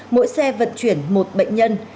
mỗi xe vận chuyển một bệnh nhân